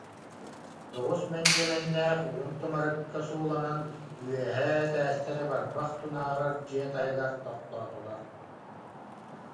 Тоҕус мэндиэмэннээх, үрүҥ тумарыкка сууланан үөһээ этээстэрэ барбах тунаарар дьиэ таһыгар тохтоотулар